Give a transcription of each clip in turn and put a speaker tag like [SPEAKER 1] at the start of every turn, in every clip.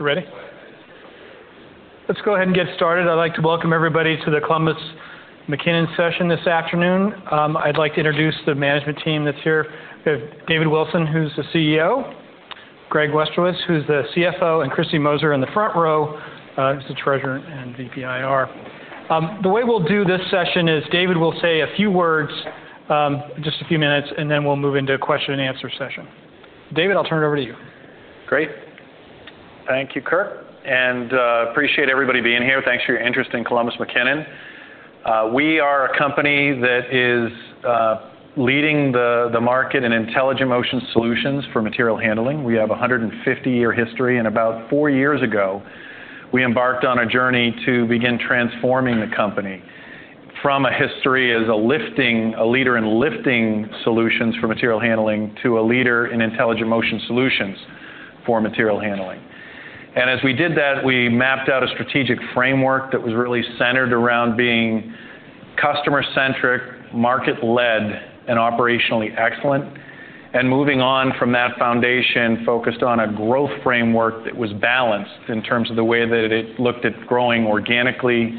[SPEAKER 1] Ready? Let's go ahead and get started. I'd like to welcome everybody to the Columbus McKinnon session this afternoon. I'd like to introduce the management team that's here. We have David Wilson, who's the CEO; Greg Rustowicz, who's the CFO; and Kristy Moser in the front row, who's the treasurer and VP, IR. The way we'll do this session is David will say a few words, just a few minutes, and then we'll move into a question-and-answer session. David, I'll turn it over to you.
[SPEAKER 2] Great. Thank you, Kirk. I appreciate everybody being here. Thanks for your interest in Columbus McKinnon. We are a company that is leading the market in intelligent motion solutions for material handling. We have a 150-year history, and about four years ago, we embarked on a journey to begin transforming the company from a history as a leader in lifting solutions for material handling to a leader in intelligent motion solutions for material handling. As we did that, we mapped out a strategic framework that was really centered around being customer-centric, market-led, and operationally excellent. Moving on from that foundation, we focused on a growth framework that was balanced in terms of the way that it looked at growing organically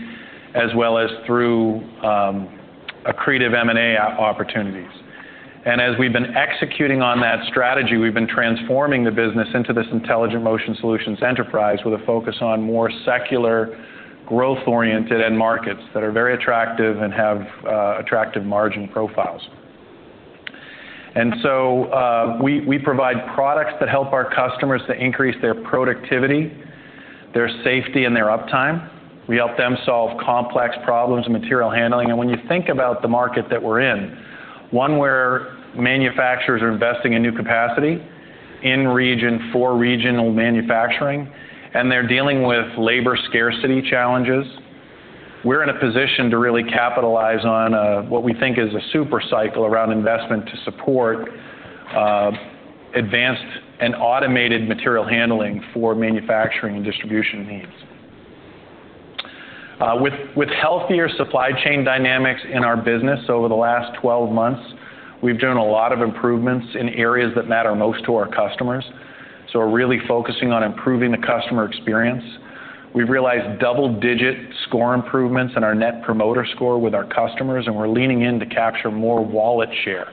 [SPEAKER 2] as well as through accretive M&A opportunities. As we've been executing on that strategy, we've been transforming the business into this intelligent motion solutions enterprise with a focus on more secular, growth-oriented end markets that are very attractive and have attractive margin profiles. So we provide products that help our customers to increase their productivity, their safety, and their uptime. We help them solve complex problems in material handling. When you think about the market that we're in, one where manufacturers are investing in new capacity in region for regional manufacturing, and they're dealing with labor scarcity challenges, we're in a position to really capitalize on what we think is a super cycle around investment to support advanced and automated material handling for manufacturing and distribution needs. With healthier supply chain dynamics in our business over the last 12 months, we've done a lot of improvements in areas that matter most to our customers. So we're really focusing on improving the customer experience. We've realized double-digit score improvements in our Net Promoter Score with our customers, and we're leaning in to capture more wallet share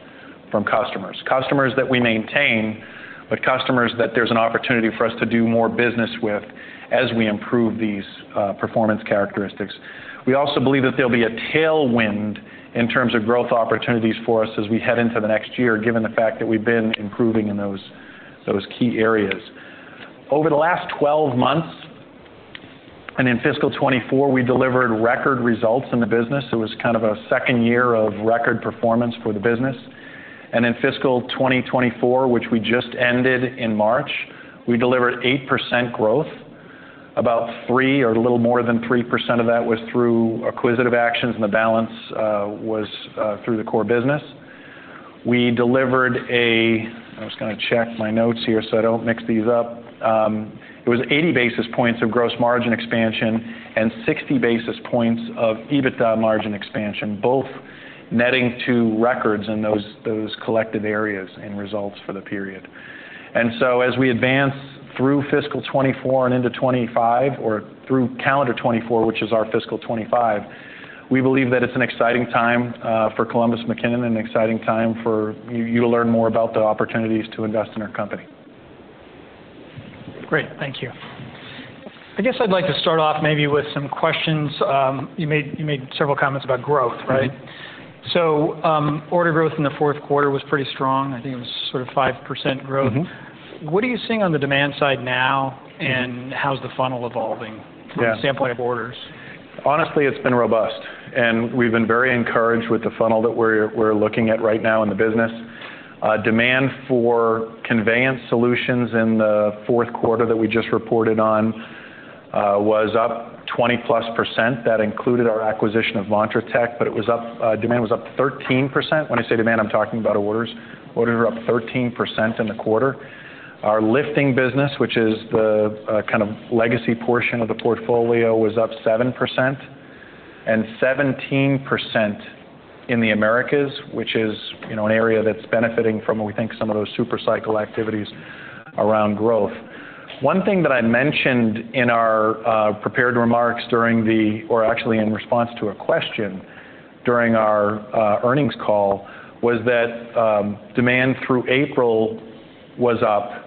[SPEAKER 2] from customers. Customers that we maintain, but customers that there's an opportunity for us to do more business with as we improve these performance characteristics. We also believe that there'll be a tailwind in terms of growth opportunities for us as we head into the next year, given the fact that we've been improving in those key areas. Over the last 12 months, and in fiscal 2024, we delivered record results in the business. It was kind of a second year of record performance for the business. In fiscal 2024, which we just ended in March, we delivered 8% growth. About 3% or a little more than 3% of that was through acquisitive actions, and the balance was through the core business. We delivered a—I was going to check my notes here so I don't mix these up. It was 80 basis points of gross margin expansion and 60 basis points of EBITDA margin expansion, both netting to records in those collected areas and results for the period. And so as we advance through fiscal 2024 and into 2025, or through calendar 2024, which is our fiscal 2025, we believe that it's an exciting time for Columbus McKinnon and an exciting time for you to learn more about the opportunities to invest in our company.
[SPEAKER 1] Great. Thank you. I guess I'd like to start off maybe with some questions. You made several comments about growth, right? So order growth in the fourth quarter was pretty strong. I think it was sort of 5% growth. What are you seeing on the demand side now, and how's the funnel evolving from the standpoint of orders?
[SPEAKER 2] Honestly, it's been robust. We've been very encouraged with the funnel that we're looking at right now in the business. Demand for conveyance solutions in the fourth quarter that we just reported on was up 20+%. That included our acquisition of Montratec, but demand was up 13%. When I say demand, I'm talking about orders. Orders were up 13% in the quarter. Our lifting business, which is the kind of legacy portion of the portfolio, was up 7%, and 17% in the Americas, which is an area that's benefiting from, we think, some of those super cycle activities around growth. One thing that I mentioned in our prepared remarks during the—or actually in response to a question during our earnings call—was that demand through April was up,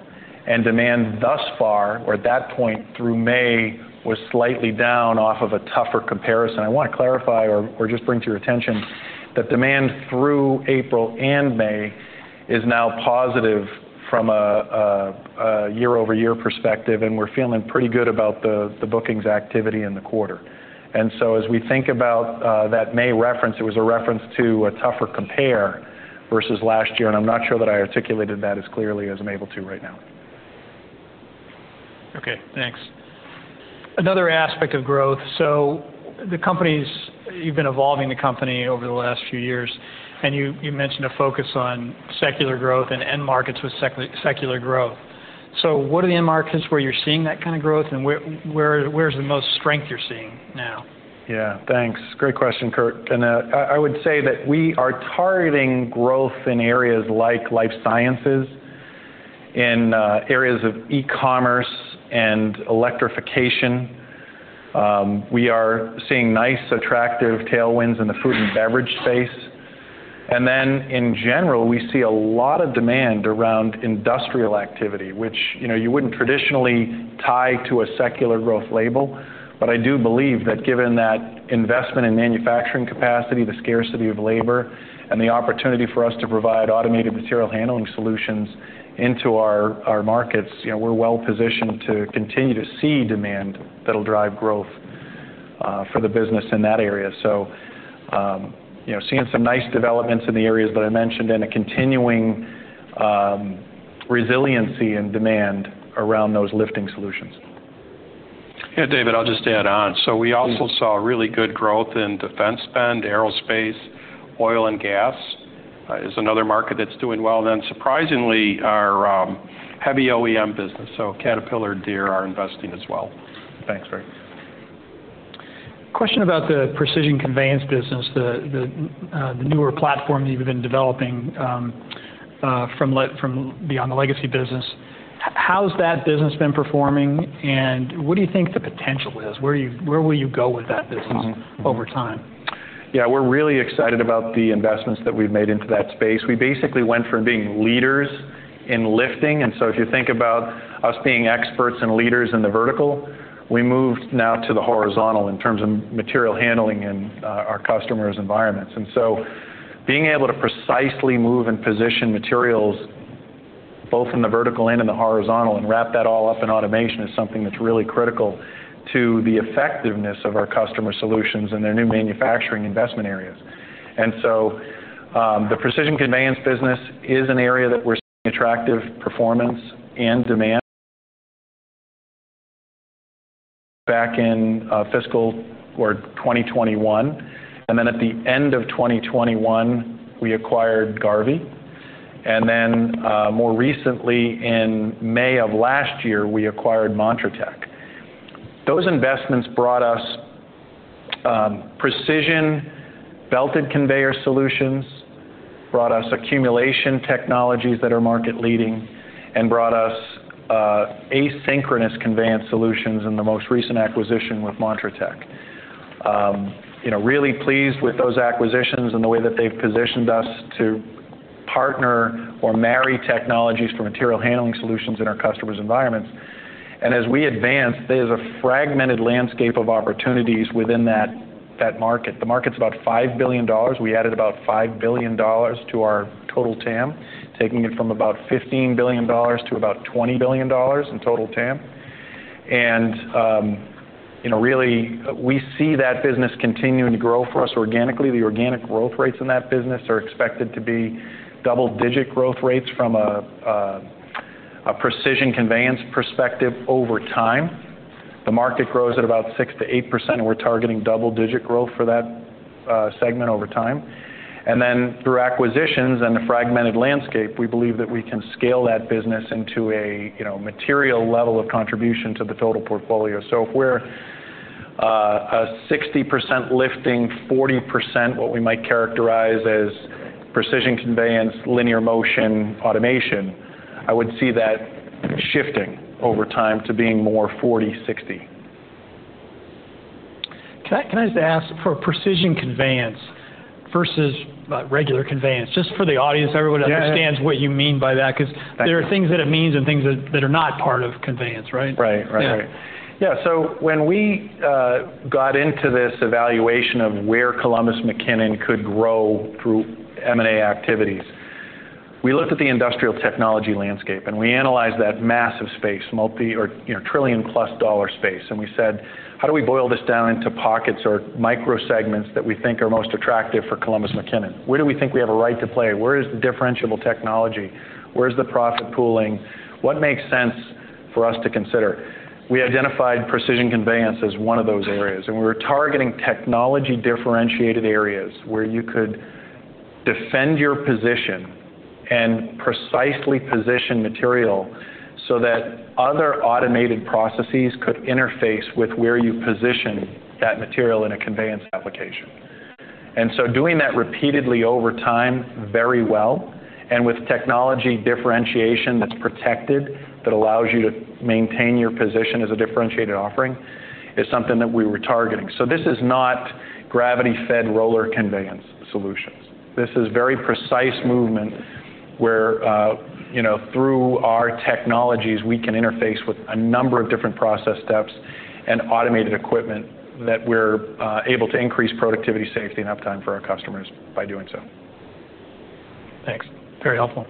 [SPEAKER 2] and demand thus far, or at that point through May, was slightly down off of a tougher comparison. I want to clarify or just bring to your attention that demand through April and May is now positive from a year-over-year perspective, and we're feeling pretty good about the bookings activity in the quarter. And so as we think about that May reference, it was a reference to a tougher compare versus last year, and I'm not sure that I articulated that as clearly as I'm able to right now.
[SPEAKER 1] Okay. Thanks. Another aspect of growth. So you've been evolving the company over the last few years, and you mentioned a focus on secular growth and end markets with secular growth. So what are the end markets where you're seeing that kind of growth, and where's the most strength you're seeing now?
[SPEAKER 2] Yeah. Thanks. Great question, Kirk. I would say that we are targeting growth in areas like life sciences, in areas of e-commerce and electrification. We are seeing nice, attractive tailwinds in the food and beverage space. Then in general, we see a lot of demand around industrial activity, which you wouldn't traditionally tie to a secular growth label. But I do believe that given that investment in manufacturing capacity, the scarcity of labor, and the opportunity for us to provide automated material handling solutions into our markets, we're well positioned to continue to see demand that'll drive growth for the business in that area. Seeing some nice developments in the areas that I mentioned and a continuing resiliency in demand around those lifting solutions.
[SPEAKER 3] Yeah. David, I'll just add on. So we also saw really good growth in defense spend, aerospace, oil, and gas is another market that's doing well. And then surprisingly, our heavy OEM business, so Caterpillar and Deere are investing as well.
[SPEAKER 2] Thanks, Kirk.
[SPEAKER 1] Question about the Precision Conveyance business, the newer platform that you've been developing from beyond the legacy business. How's that business been performing, and what do you think the potential is? Where will you go with that business over time?
[SPEAKER 2] Yeah. We're really excited about the investments that we've made into that space. We basically went from being leaders in lifting. So if you think about us being experts and leaders in the vertical, we moved now to the horizontal in terms of material handling in our customers' environments. So being able to precisely move and position materials both in the vertical and in the horizontal and wrap that all up in automation is something that's really critical to the effectiveness of our customer solutions and their new manufacturing investment areas. So the precision conveyance business is an area that we're seeing attractive performance and demand. Back in fiscal 2021, and then at the end of 2021, we acquired Garvey. Then more recently, in May of last year, we acquired Montratec. Those investments brought us precision belted conveyor solutions, brought us accumulation technologies that are market-leading, and brought us asynchronous conveyance solutions in the most recent acquisition with Montratec. Really pleased with those acquisitions and the way that they've positioned us to partner or marry technologies for material handling solutions in our customers' environments. And as we advance, there's a fragmented landscape of opportunities within that market. The market's about $5 billion. We added about $5 billion to our total TAM, taking it from about $15 billion to about $20 billion in total TAM. And really, we see that business continuing to grow for us organically. The organic growth rates in that business are expected to be double-digit growth rates from a precision conveyance perspective over time. The market grows at about 6%-8%, and we're targeting double-digit growth for that segment over time. And then through acquisitions and the fragmented landscape, we believe that we can scale that business into a material level of contribution to the total portfolio. So if we're a 60% lifting, 40% what we might characterize as precision conveyance, linear motion, automation, I would see that shifting over time to being more 40/60.
[SPEAKER 1] Can I just ask for precision conveyance versus regular conveyance? Just for the audience, everyone understands what you mean by that, because there are things that it means and things that are not part of conveyance, right?
[SPEAKER 2] Right. Right. Right. Yeah. So when we got into this evaluation of where Columbus McKinnon could grow through M&A activities, we looked at the industrial technology landscape, and we analyzed that massive space, multi- or trillion-plus dollar space. And we said, "How do we boil this down into pockets or micro-segments that we think are most attractive for Columbus McKinnon? Where do we think we have a right to play? Where is the differentiable technology? Where's the profit pooling? What makes sense for us to consider?" We identified precision conveyance as one of those areas. And we were targeting technology-differentiated areas where you could defend your position and precisely position material so that other automated processes could interface with where you position that material in a conveyance application. And so doing that repeatedly over time very well and with technology differentiation that's protected that allows you to maintain your position as a differentiated offering is something that we were targeting. So this is not gravity-fed roller conveyance solutions. This is very precise movement where through our technologies, we can interface with a number of different process steps and automated equipment that we're able to increase productivity, safety, and uptime for our customers by doing so.
[SPEAKER 1] Thanks. Very helpful.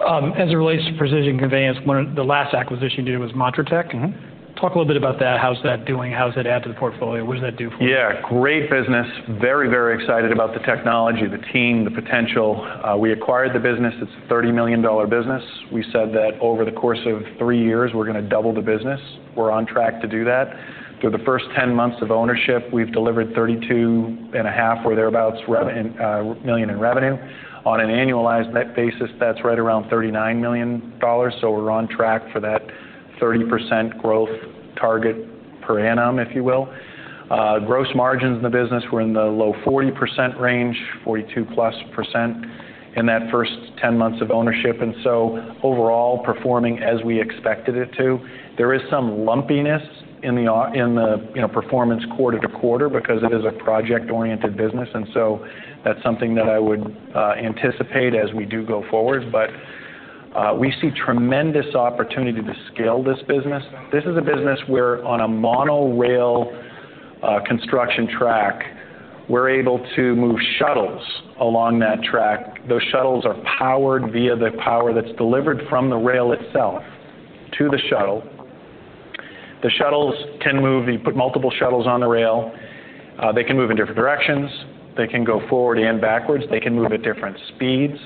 [SPEAKER 1] As it relates to precision conveyance, the last acquisition you did was Montratec. Talk a little bit about that. How's that doing? How's it add to the portfolio? What does that do for you?
[SPEAKER 2] Yeah. Great business. Very, very excited about the technology, the team, the potential. We acquired the business. It's a $30 million business. We said that over the course of three years, we're going to double the business. We're on track to do that. Through the first 10 months of ownership, we've delivered $32.5 million or thereabouts in revenue. On an annualized basis, that's right around $39 million. So we're on track for that 30% growth target per annum, if you will. Gross margins in the business were in the low 40% range, 42%+ in that first 10 months of ownership. So overall, performing as we expected it to. There is some lumpiness in the performance quarter-to-quarter because it is a project-oriented business. So that's something that I would anticipate as we do go forward. But we see tremendous opportunity to scale this business. This is a business where, on a monorail construction track, we're able to move shuttles along that track. Those shuttles are powered via the power that's delivered from the rail itself to the shuttle. The shuttles can move. You put multiple shuttles on the rail. They can move in different directions. They can go forward and backwards. They can move at different speeds.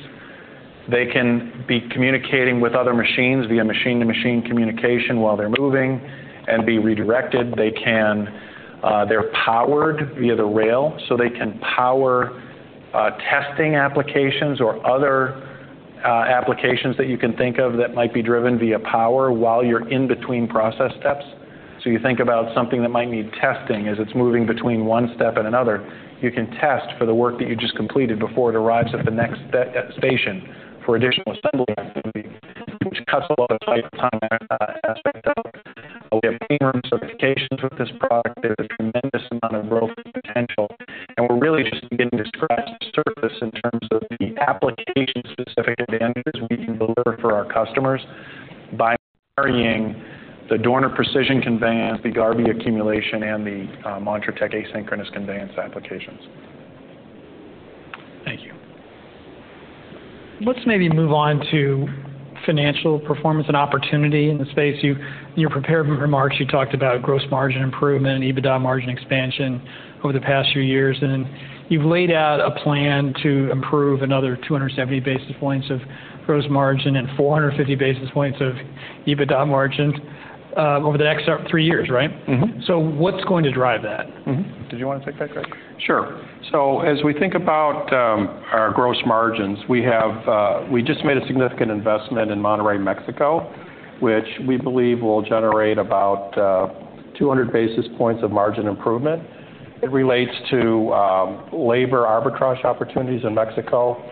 [SPEAKER 2] They can be communicating with other machines via machine-to-machine communication while they're moving and be redirected. They're powered via the rail, so they can power testing applications or other applications that you can think of that might be driven via power while you're in between process steps. So you think about something that might need testing as it's moving between one step and another. You can test for the work that you just completed before it arrives at the next station for additional assembly activity, which cuts a lot of the time aspect out. We have clean room certifications with this product. There's a tremendous amount of growth potential. And we're really just beginning to scratch the surface in terms of the application-specific advantages we can deliver for our customers by marrying the Dorner precision conveyance, the Garvey accumulation, and the Montratec asynchronous conveyance applications.
[SPEAKER 1] Thank you. Let's maybe move on to financial performance and opportunity in the space. In your prepared remarks, you talked about gross margin improvement and EBITDA margin expansion over the past few years. You've laid out a plan to improve another 270 basis points of gross margin and 450 basis points of EBITDA margin over the next three years, right? So what's going to drive that?
[SPEAKER 2] Did you want to take that, Greg?
[SPEAKER 3] Sure. So as we think about our gross margins, we just made a significant investment in Monterrey, Mexico, which we believe will generate about 200 basis points of margin improvement. It relates to labor arbitrage opportunities in Mexico,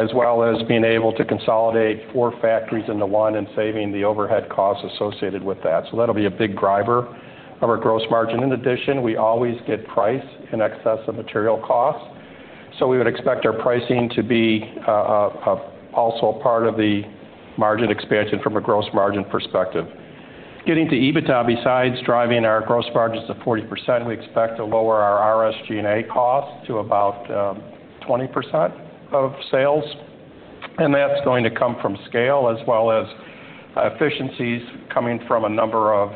[SPEAKER 3] as well as being able to consolidate four factories into one and saving the overhead costs associated with that. So that'll be a big driver of our gross margin. In addition, we always get price in excess of material costs. So we would expect our pricing to be also a part of the margin expansion from a gross margin perspective. Getting to EBITDA, besides driving our gross margins to 40%, we expect to lower our SG&A costs to about 20% of sales. And that's going to come from scale as well as efficiencies coming from a number of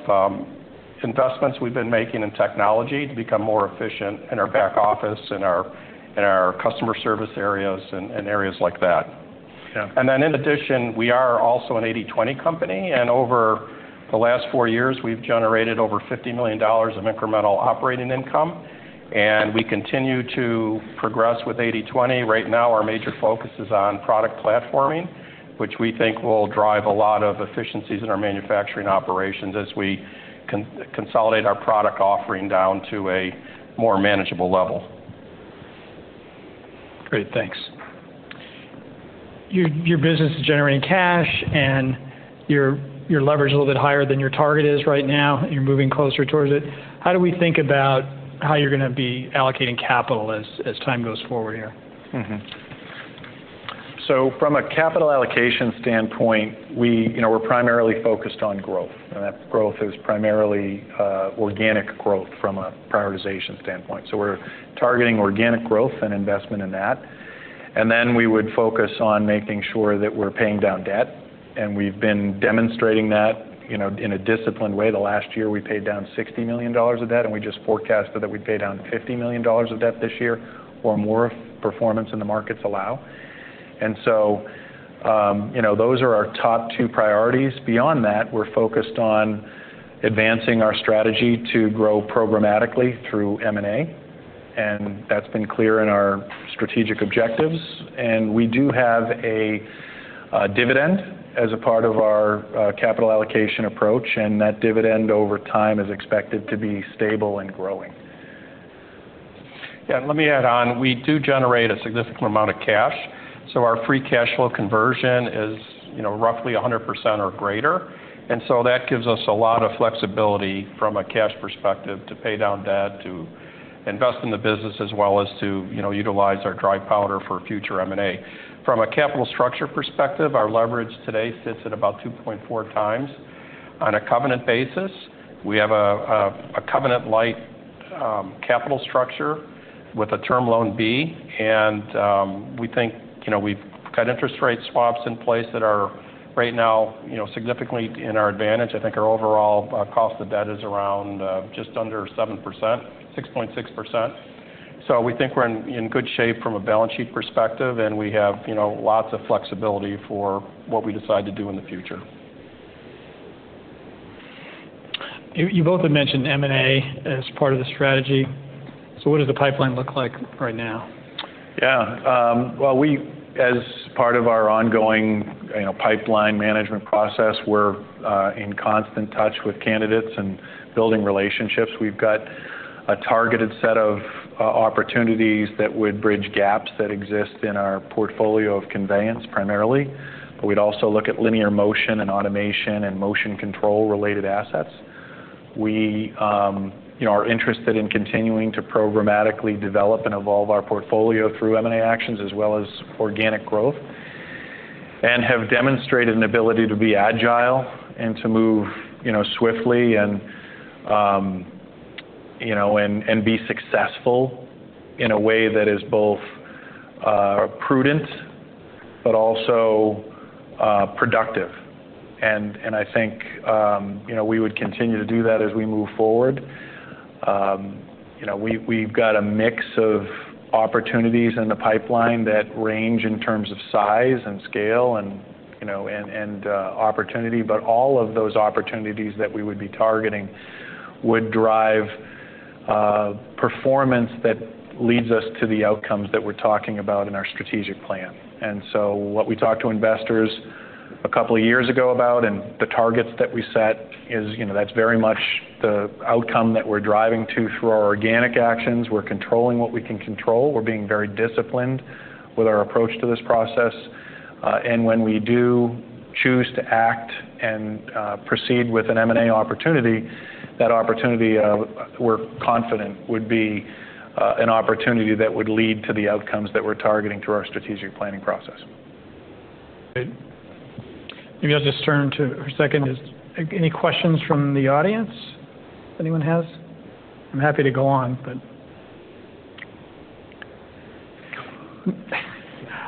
[SPEAKER 3] investments we've been making in technology to become more efficient in our back office and our customer service areas and areas like that. And then in addition, we are also an 80/20 company. And over the last 4 years, we've generated over $50 million of incremental operating income. And we continue to progress with 80/20. Right now, our major focus is on product platforming, which we think will drive a lot of efficiencies in our manufacturing operations as we consolidate our product offering down to a more manageable level.
[SPEAKER 1] Great. Thanks. Your business is generating cash, and your leverage is a little bit higher than your target is right now, and you're moving closer towards it. How do we think about how you're going to be allocating capital as time goes forward here?
[SPEAKER 2] So from a capital allocation standpoint, we're primarily focused on growth. That growth is primarily organic growth from a prioritization standpoint. So we're targeting organic growth and investment in that. Then we would focus on making sure that we're paying down debt. We've been demonstrating that in a disciplined way. The last year, we paid down $60 million of debt, and we just forecasted that we'd pay down $50 million of debt this year or more if performance in the markets allow. Those are our top two priorities. Beyond that, we're focused on advancing our strategy to grow programmatically through M&A. That's been clear in our strategic objectives. We do have a dividend as a part of our capital allocation approach. That dividend over time is expected to be stable and growing.
[SPEAKER 3] Yeah. Let me add on. We do generate a significant amount of cash. So our free cash flow conversion is roughly 100% or greater. And so that gives us a lot of flexibility from a cash perspective to pay down debt, to invest in the business, as well as to utilize our dry powder for future M&A. From a capital structure perspective, our leverage today sits at about 2.4x. On a covenant basis, we have a covenant-like capital structure with a Term Loan B. And we think we've got interest rate swaps in place that are right now significantly in our advantage. I think our overall cost of debt is around just under 7%, 6.6%. So we think we're in good shape from a balance sheet perspective, and we have lots of flexibility for what we decide to do in the future.
[SPEAKER 1] You both have mentioned M&A as part of the strategy. What does the pipeline look like right now?
[SPEAKER 2] Yeah. Well, as part of our ongoing pipeline management process, we're in constant touch with candidates and building relationships. We've got a targeted set of opportunities that would bridge gaps that exist in our portfolio of conveyance primarily. But we'd also look at linear motion and automation and motion control-related assets. We are interested in continuing to programmatically develop and evolve our portfolio through M&A actions as well as organic growth and have demonstrated an ability to be agile and to move swiftly and be successful in a way that is both prudent but also productive. And I think we would continue to do that as we move forward. We've got a mix of opportunities in the pipeline that range in terms of size and scale and opportunity. But all of those opportunities that we would be targeting would drive performance that leads us to the outcomes that we're talking about in our strategic plan. And so what we talked to investors a couple of years ago about and the targets that we set is that's very much the outcome that we're driving to through our organic actions. We're controlling what we can control. We're being very disciplined with our approach to this process. And when we do choose to act and proceed with an M&A opportunity, that opportunity we're confident would be an opportunity that would lead to the outcomes that we're targeting through our strategic planning process.
[SPEAKER 1] Great. Maybe I'll just turn for a second. Any questions from the audience that anyone has? I'm happy to go on, but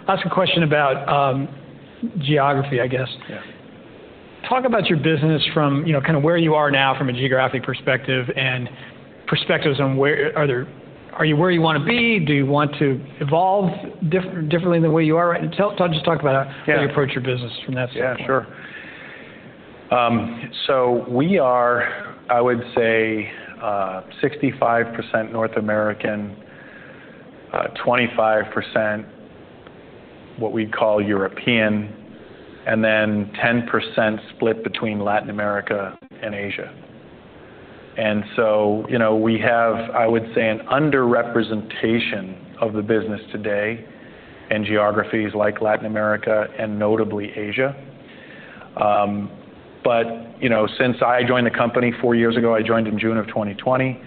[SPEAKER 1] I'll ask a question about geography, I guess. Talk about your business from kind of where you are now from a geographic perspective and perspectives on where are you where you want to be? Do you want to evolve differently than where you are right now? Just talk about how you approach your business from that standpoint.
[SPEAKER 2] Yeah. Sure. So we are, I would say, 65% North American, 25% what we call European, and then 10% split between Latin America and Asia. And so we have, I would say, an underrepresentation of the business today in geographies like Latin America and notably Asia. But since I joined the company four years ago, I joined in June of 2020,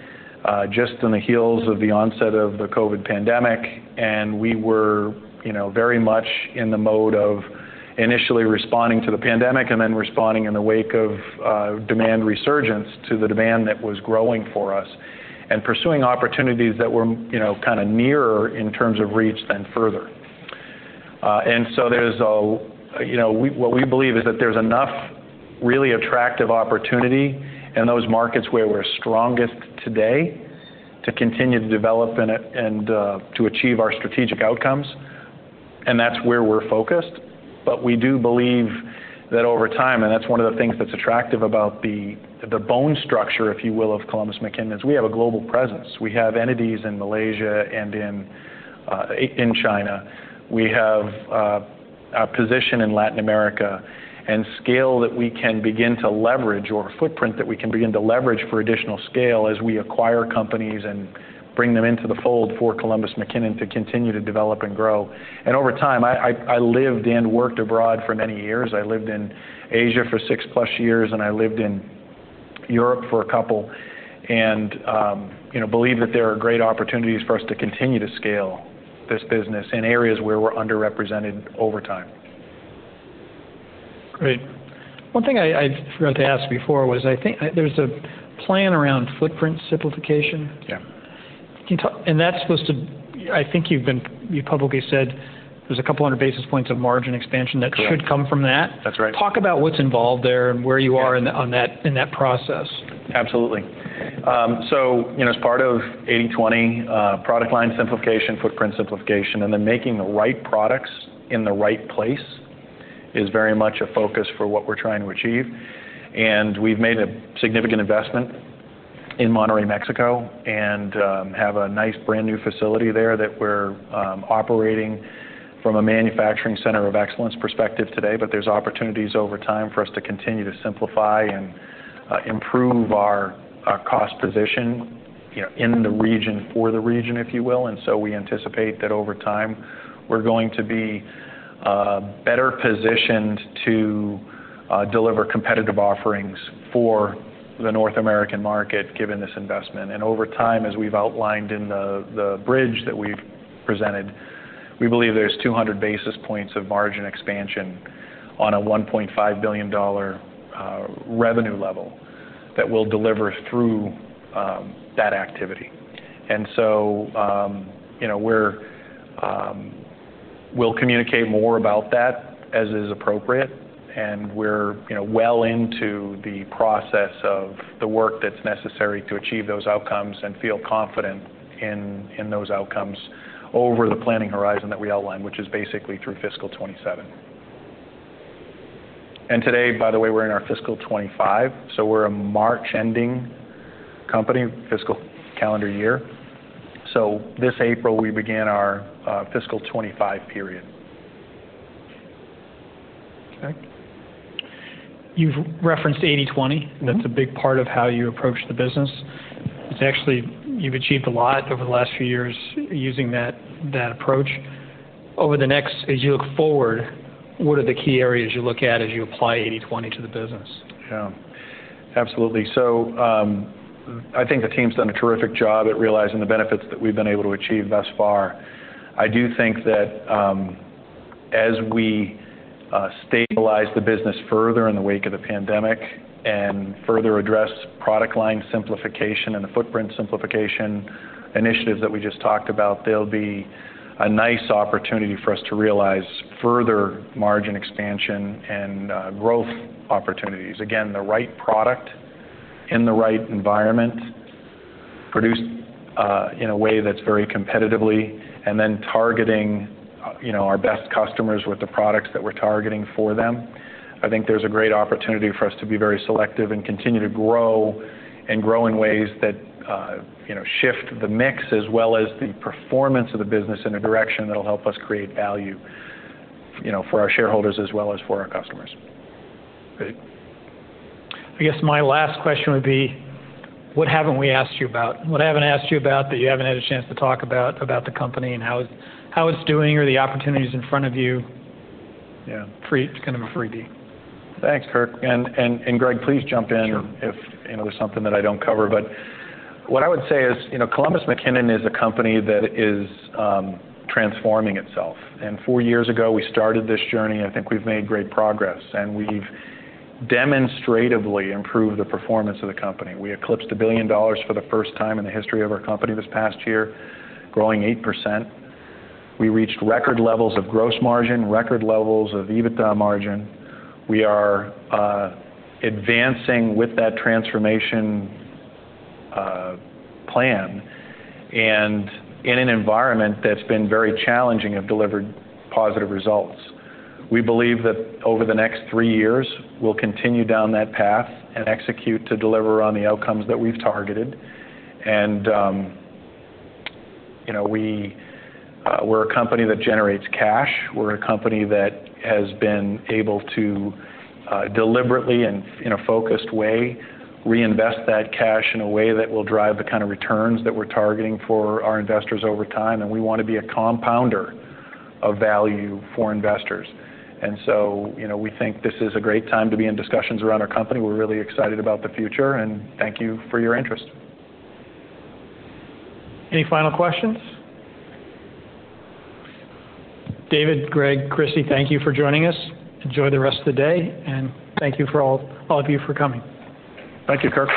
[SPEAKER 2] just in the heels of the onset of the COVID pandemic. And we were very much in the mode of initially responding to the pandemic and then responding in the wake of demand resurgence to the demand that was growing for us and pursuing opportunities that were kind of nearer in terms of reach than further. And so there's what we believe is that there's enough really attractive opportunity in those markets where we're strongest today to continue to develop and to achieve our strategic outcomes. That's where we're focused. But we do believe that over time, and that's one of the things that's attractive about the bone structure, if you will, of Columbus McKinnon's, we have a global presence. We have entities in Malaysia and in China. We have a position in Latin America and scale that we can begin to leverage or a footprint that we can begin to leverage for additional scale as we acquire companies and bring them into the fold for Columbus McKinnon to continue to develop and grow. And over time, I lived and worked abroad for many years. I lived in Asia for 6+ years, and I lived in Europe for a couple and believe that there are great opportunities for us to continue to scale this business in areas where we're underrepresented over time.
[SPEAKER 1] Great. One thing I forgot to ask before was I think there's a plan around footprint simplification. That's supposed to, I think you've publicly said there's 200 basis points of margin expansion that should come from that.
[SPEAKER 3] That's right.
[SPEAKER 1] Talk about what's involved there and where you are in that process.
[SPEAKER 2] Absolutely. So as part of 80/20, product line simplification, footprint simplification, and then making the right products in the right place is very much a focus for what we're trying to achieve. And we've made a significant investment in Monterrey, Mexico, and have a nice brand new facility there that we're operating from a manufacturing center of excellence perspective today. But there's opportunities over time for us to continue to simplify and improve our cost position in the region for the region, if you will. And so we anticipate that over time, we're going to be better positioned to deliver competitive offerings for the North American market given this investment. And over time, as we've outlined in the bridge that we've presented, we believe there's 200 basis points of margin expansion on a $1.5 billion revenue level that we'll deliver through that activity. We'll communicate more about that as is appropriate. We're well into the process of the work that's necessary to achieve those outcomes and feel confident in those outcomes over the planning horizon that we outlined, which is basically through fiscal 2027. Today, by the way, we're in our fiscal 2025. We're a March-ending company, fiscal calendar year. This April, we begin our fiscal 2025 period.
[SPEAKER 1] Okay. You've referenced 80/20. That's a big part of how you approach the business. It's actually you've achieved a lot over the last few years using that approach. Over the next, as you look forward, what are the key areas you look at as you apply 80/20 to the business?
[SPEAKER 2] Yeah. Absolutely. So I think the team's done a terrific job at realizing the benefits that we've been able to achieve thus far. I do think that as we stabilize the business further in the wake of the pandemic and further address product line simplification and the footprint simplification initiatives that we just talked about, there'll be a nice opportunity for us to realize further margin expansion and growth opportunities. Again, the right product in the right environment produced in a way that's very competitively and then targeting our best customers with the products that we're targeting for them. I think there's a great opportunity for us to be very selective and continue to grow and grow in ways that shift the mix as well as the performance of the business in a direction that'll help us create value for our shareholders as well as for our customers.
[SPEAKER 1] Great. I guess my last question would be, what haven't we asked you about? What haven't I asked you about that you haven't had a chance to talk about, about the company and how it's doing or the opportunities in front of you for kind of a freebie?
[SPEAKER 2] Thanks, Kirk. Greg, please jump in if there's something that I don't cover. What I would say is Columbus McKinnon is a company that is transforming itself. Four years ago, we started this journey. I think we've made great progress. We've demonstratively improved the performance of the company. We eclipsed $1 billion for the first time in the history of our company this past year, growing 8%. We reached record levels of gross margin, record levels of EBITDA margin. We are advancing with that transformation plan and in an environment that's been very challenging have delivered positive results. We believe that over the next three years, we'll continue down that path and execute to deliver on the outcomes that we've targeted. We're a company that generates cash. We're a company that has been able to deliberately and in a focused way reinvest that cash in a way that will drive the kind of returns that we're targeting for our investors over time. We want to be a compounder of value for investors. So we think this is a great time to be in discussions around our company. We're really excited about the future. Thank you for your interest.
[SPEAKER 1] Any final questions? David, Greg, Kristy, thank you for joining us. Enjoy the rest of the day. Thank you for all of you for coming.
[SPEAKER 2] Thank you, Kirk.